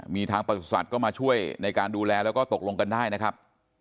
มีทางประสุทธิ์ก็มาช่วยในการดูแลแล้วก็ตกลงกันได้นะครับ